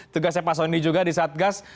tugasnya pak soni juga di satgas